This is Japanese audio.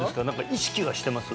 意識はしてます？